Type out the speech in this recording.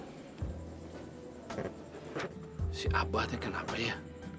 kurang serak gitu sama si asma tuh kenapa ya